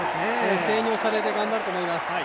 声援に押されて頑張ると思います。